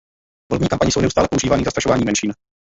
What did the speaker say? Volební kampaně jsou neustále používány k zastrašování menšin.